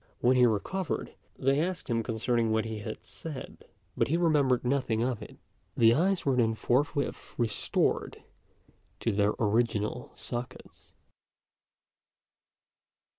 When he recovered, they asked him concerning what he had said; but he remembered nothing of it. The eyes were then forthwith restored to their original sockets.